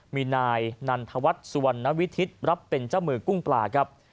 มีนายนันทวัฒน์สุวรรณวิทิศรับเป็นเจ้ามือกุ้งปลาครับ